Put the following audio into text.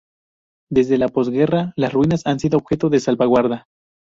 Desde la posguerra, las ruinas han sido objeto de salvaguarda.